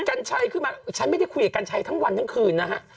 กัญชัยขึ้นมาฉันไม่ได้คุยกับกัญชัยทั้งวันทั้งคืนนะฮะ